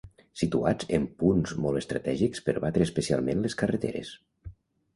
Situats en punts molt estratègics per batre especialment les carreteres.